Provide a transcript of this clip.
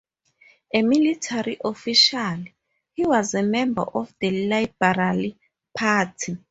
A military official, he was a member of the Liberal Party.